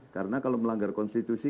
karena kalau melanggar konstitusi